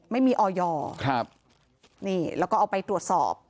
ไม่มีออยครับนี่แล้วก็เอาไปตรวจสอบ